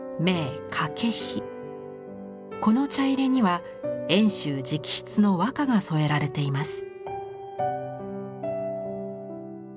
この茶入れには遠州直筆の和歌が添えられています。